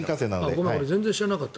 ごめん全然知らなかった。